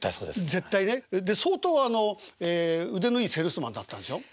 絶対ね。で相当腕のいいセールスマンだったんでしょ？